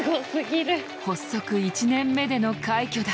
発足１年目での快挙だ。